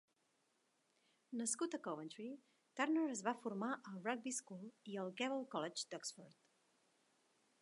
Nascut a Coventry, Turner es va formar a la Rugby School i al Keble College d'Oxford.